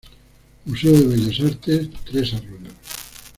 Museo Bellas artes, Tres Arroyos.